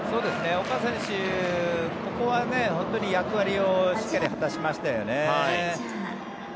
岡選手、ここは役割をしっかり果たしましたよね。